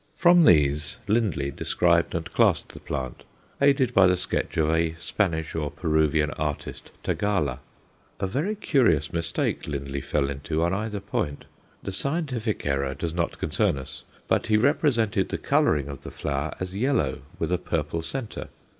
From these Lindley described and classed the plant, aided by the sketch of a Spanish or Peruvian artist, Tagala. A very curious mistake Lindley fell into on either point. The scientific error does not concern us, but he represented the colouring of the flower as yellow with a purple centre.